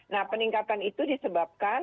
nah peningkatan itu disebabkan